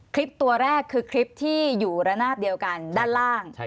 คลิปตัวแรกคือคลิปที่อยู่ระนาบเดียวกันด้านล่าง